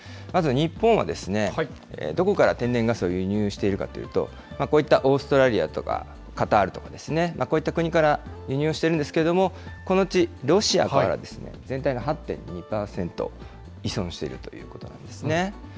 まず日本は、どこから天然ガスを輸入しているかというと、こういったオーストラリアとかカタールとか、こういった国から輸入をしているんですけれども、このうちロシアからは、全体の８．２％依存しているということなんですね。